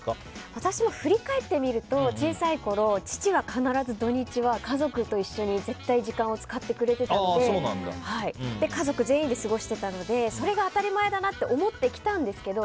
私も振り返ってみると小さいころ、父は必ず土日は家族と一緒に絶対時間を使ってくれてたので家族全員で過ごしていたのでそれが当たり前だなと思ってきたんですけど